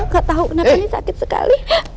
kak tahu kenapa ini sakit sekali